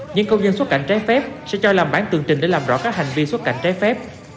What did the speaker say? những công nhân xuất cảnh trái phép sẽ cho làm bản tường trình để làm rõ các hành vi xuất cảnh trái phép